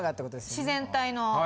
自然体の。